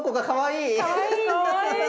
かわいい。